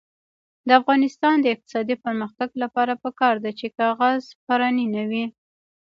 د افغانستان د اقتصادي پرمختګ لپاره پکار ده چې کاغذ پراني نه وي.